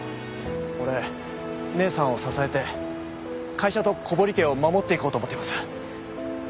俺姉さんを支えて会社と小堀家を守っていこうと思っています。